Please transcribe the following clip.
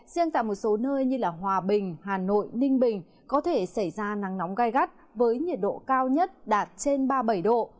riêng tại một số nơi như hòa bình hà nội ninh bình có thể xảy ra nắng nóng gai gắt với nhiệt độ cao nhất đạt trên ba mươi bảy độ